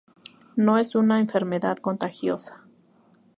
No es una enfermedad contagiosa.